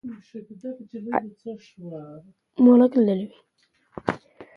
آیا د اوسني ټولني شرایط د اوږدمهاله بدلون لپاره امکانات لري؟